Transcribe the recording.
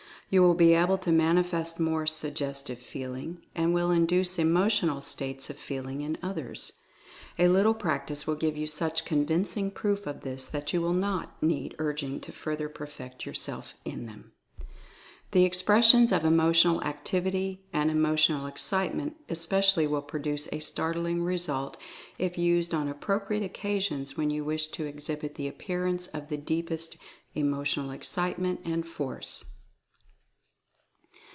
You will be able to manifest more Suggestive Feeling, and will induce Emotional States of Feeling in others. A little practice will give you such convincing proof of this that you will not Eye Expression 221 need urging to further perfect yourself in them. The Expressions of Emotional Activity and Emotional Ex citement especially will produce a startling result if used on appropriate occasions when you wish to ex hibit the appearance of the deepest Emotional Excite ment and Force.